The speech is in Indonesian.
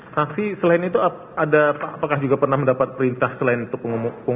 saksi selain itu ada apakah juga pernah mendapat perintah selain itu